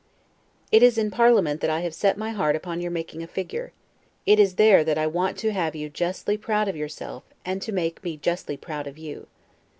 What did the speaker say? It is in parliament that I have set my heart upon your making a figure; it is there that I want to have you justly proud of yourself, and to make me justly proud of you.